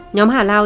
nhóm hà lao